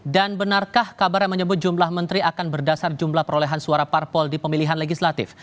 dan benarkah kabar yang menyebut jumlah menteri akan berdasar jumlah perolehan suara parpol di pemilihan legislatif